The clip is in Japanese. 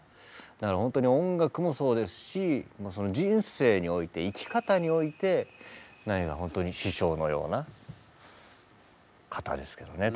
だから本当に音楽もそうですし人生において生き方において何かほんとに師匠のような方ですけどね。